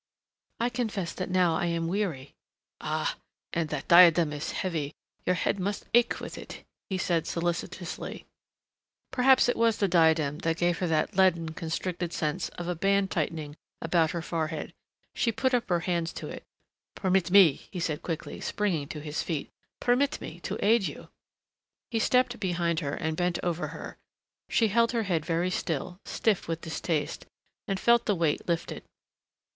"I confess that now I am weary " "Ah, and that diadem is heavy. Your head must ache with it," he said solicitously. Perhaps it was the diadem that gave her that leaden, constricted sense of a band tightening about her forehead. She put up her hands to it. "Permit me," he said quickly, springing to his feet. "Permit me to aid you." He stepped behind her and bent over her. She held her head very still, stiff with distaste, and felt the weight lifted.